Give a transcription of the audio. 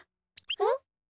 えっ？